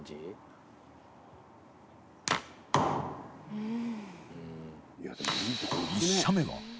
うん。